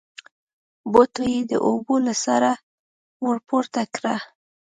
بټوه يې د اوبو له سره ورپورته کړه.